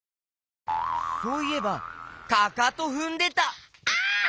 そういえばかかとふんでた！